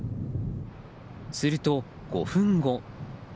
すると５分後。